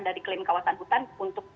dari klaim kawasan hutan untuk